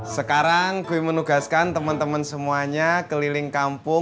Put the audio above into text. sekarang gue menugaskan temen temen semuanya keliling kampung